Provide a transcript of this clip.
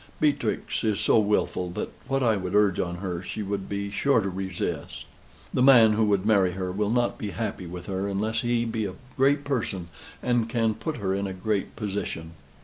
Beatrix is so wilful, that what I would urge on her, she would be sure to resist. The man who would marry her, will not be happy with her, unless he be a great person, and can put her in a great position.